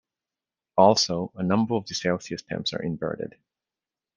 Also, a number of the celsius temps are inverted.